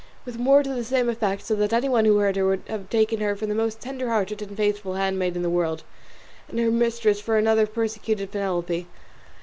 with more to the same effect, so that anyone who heard her would have taken her for the most tender hearted and faithful handmaid in the world, and her mistress for another persecuted Penelope.